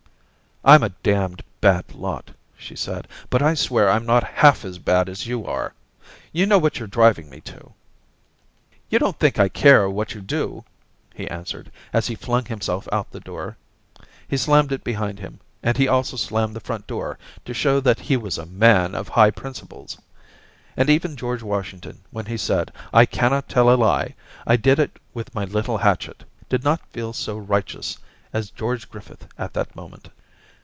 * I'm a damned bad lot,' she said, * but I swear I'm not half as bad as you are. ... You know what you're driving me to.' * You don't think I care what you do/ he answered, as he flung himself out of the door. He slammed it behind him, and he also slammed the front door to show that he was a man of high principles. And even George Washington when he said, * I cannot tell a lie ; I did it with my little hatchet,' did 246 Orientations not feel so righteous as George Griffith at that moment.